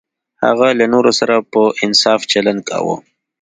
هغه له نورو سره په انصاف چلند کاوه.